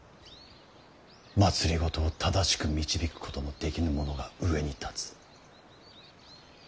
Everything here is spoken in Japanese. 政を正しく導くことのできぬ者が上に立つ。